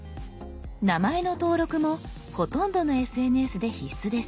名前の登録もほとんどのＳＮＳで必須です。